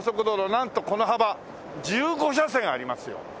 なんとこの幅１５車線ありますよ。